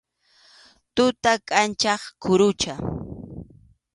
Tuta kʼanchaq kurucha.